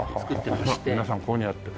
皆さんこういうふうにやって。